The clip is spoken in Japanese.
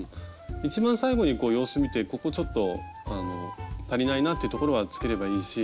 一番最後に様子見てここちょっとあの足りないなというところはつければいいし。